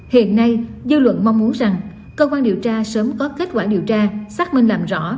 hiện nay dư luận mong muốn rằng cơ quan điều tra sớm có kết quả điều tra xác minh làm rõ